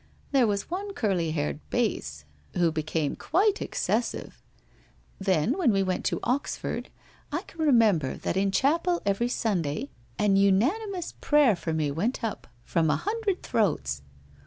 There was one eurly haired bass who became quite excessive. Then, when we went to Oxford, I can remember that in chapel every Sun day an unanimous prayer for me went up from a hundred throats.